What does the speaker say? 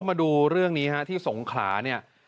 มาดูเรื่องนี้ฮะที่สงขลาเนี่ย